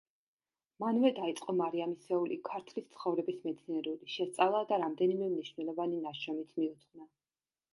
მანვე დაიწყო მარიამისეული „ქართლის ცხოვრების“ მეცნიერული შესწავლა და რამდენიმე მნიშვნელოვანი ნაშრომიც მიუძღვნა.